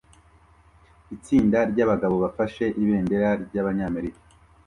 Itsinda ryabagabo bafashe ibendera ryabanyamerika